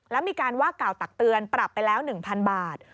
แล้วมีการว่ากล่าวตักเตือนปรับไปแล้ว๑๐๐๐บาท